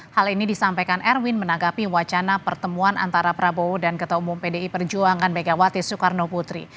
hal ini disampaikan erwin menanggapi wacana pertemuan antara prabowo dan ketua umum pdi perjuangan megawati soekarno putri